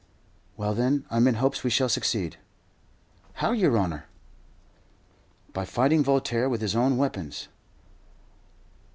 "Well, then, I'm in hopes we shall succeed." "How, yer honour?" "By fighting Voltaire with his own weapons."